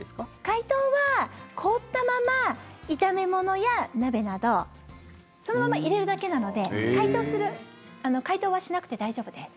解凍は、凍ったまま炒め物や鍋などそのまま入れるだけなので解凍はしなくて大丈夫です。